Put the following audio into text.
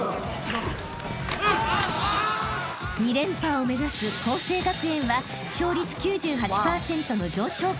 ［２連覇を目指す佼成学園は勝率９８％の常勝軍団］